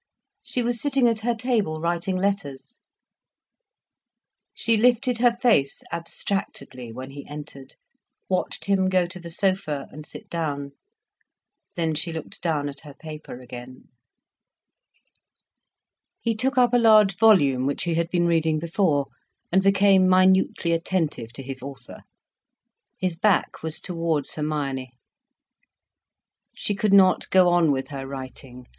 She was sitting at her table writing letters. She lifted her face abstractedly when he entered, watched him go to the sofa, and sit down. Then she looked down at her paper again. He took up a large volume which he had been reading before, and became minutely attentive to his author. His back was towards Hermione. She could not go on with her writing.